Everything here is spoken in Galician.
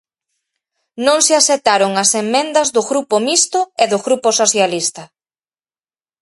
Non se aceptaron as emendas do Grupo Mixto e do Grupo Socialista.